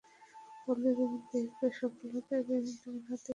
তাহলে তুমি দেখবে সফলতা একদিন তোমার হাতের মুঠোর মধ্যে এসে গেছে।